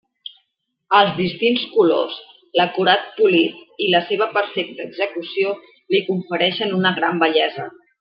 Els distints colors, l'acurat polit i la seua perfecta execució li conferixen una gran bellesa.